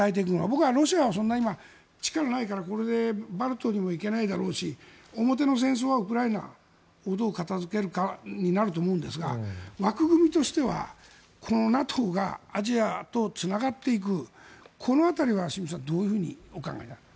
僕はロシアはそんなに力がないから、これでバルトにも行けないだろうし表の戦争はウクライナをどう片付けるかになると思うんですが枠組みとしてはＮＡＴＯがアジアとつながっていくこの辺りは清水さんどういうふうにお考えですか。